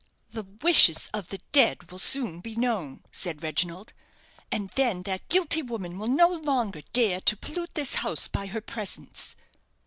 "The wishes of the dead will soon be known," said Reginald; "and then that guilty woman will no longer dare to pollute this house by her presence."